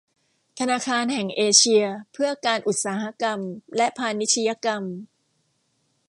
ธนาคารแห่งเอเชียเพื่อการอุตสาหกรรมและพาณิชยกรรม